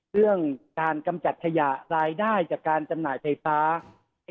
เรื่องการกำจัดขยะรายได้จากการจำหน่ายไฟฟ้า